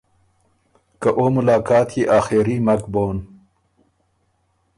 که او ملاقات يې آخېري مک بون۔